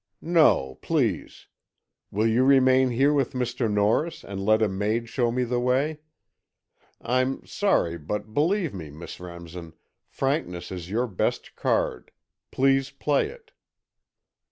"No, please. Will you remain here with Mr. Norris and let a maid show me the way? I'm sorry, but believe me, Miss Remsen, frankness is your best card. Please play it."